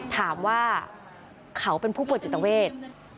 ถามว่าเขาเป็นผู้เปิดจิตเวทย์